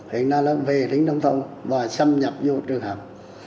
hiện nay là về đến nông thôn và xâm nhập vô trường học